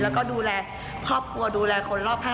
แล้วก็ดูแลครอบครัวดูแลคนรอบข้าง